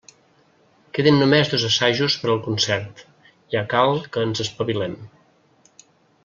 Queden només dos assajos per al concert, ja cal que ens espavilem.